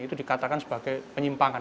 itu dikatakan sebagai penyimpanan